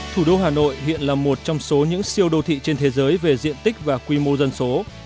thủ đô hà nội hiện là một trong số những siêu đô thị trên thế giới về diện tích và quy mô dân số